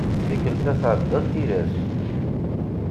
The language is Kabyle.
Tikelt-a tεeddaḍ tilas.